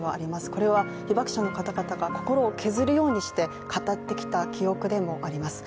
これは被爆者の方々が心を削るようにして語ってきた記憶でもあります。